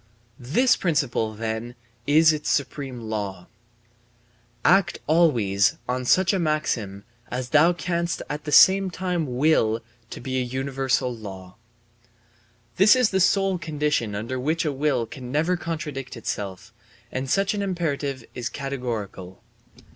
This principle, then, is its supreme law: "Act always on such a maxim as thou canst at the same time will to be a universal law"; this is the sole condition under which a will can never contradict itself; and such an imperative is categorical.